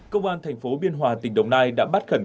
công an thành phố biên hòa tỉnh đồng nai đã bắt khẳng định